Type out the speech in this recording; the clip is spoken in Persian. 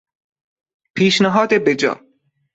پیشنهاد بجا